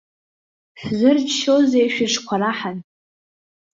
Шәзырччозеи шәыҿқәа раҳан.